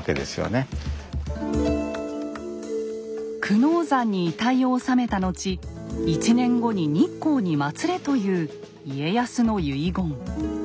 久能山に遺体を納めた後１年後に日光にまつれという家康の遺言。